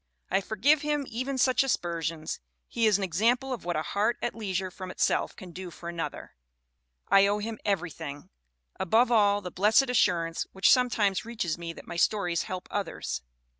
I forgive him even such aspersions. He is an example of what 'a heart at leisure from itself can do for another. I owe him everything ; above all the blessed assurance which sometimes reaches me that my stories help others.